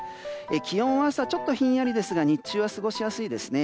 気温は朝ちょっとひんやりですが日中は過ごしやすいですね。